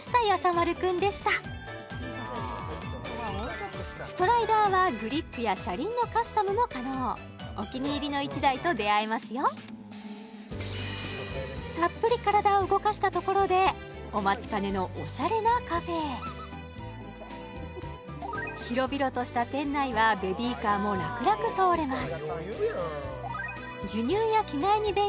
丸くんでしたストライダーはお気に入りの１台と出会えますよたっぷり体を動かしたところでお待ちかねのおしゃれなカフェへ広々とした店内はベビーカーも楽々通れます